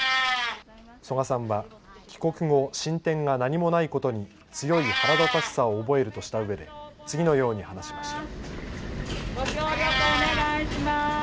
曽我さんは帰国後進展が何もないことに強い腹立たしさを覚えるとしたうえで次のように話しました。